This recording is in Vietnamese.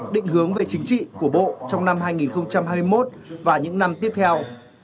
định hướng về chính trị của bộ trong năm hai nghìn hai mươi một và những năm tiếp theo